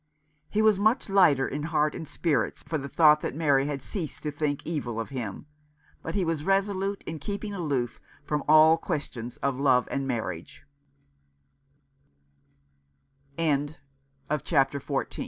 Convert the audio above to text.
He was much lighter in heart and spirits for the thought that Mary had ceased to think evil of him, but he was resolute in keeping aloof from all questions of love and marria